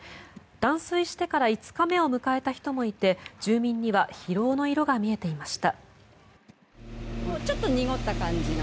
断水してから５日目を迎えた人もいて住民には疲労の色が見えていました。